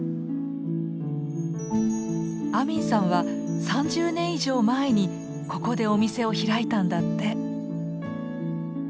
アミンさんは３０年以上前にここでお店を開いたんだって。